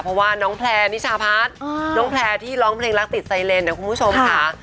เพราะว่าน้องแพลร์นิชาพัฒน์น้องแพลร์ที่ร้องเพลงรักติดไซเลนเนี่ยคุณผู้ชมค่ะ